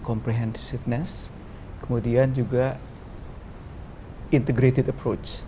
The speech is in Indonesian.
komprehensif kemudian juga approach integratif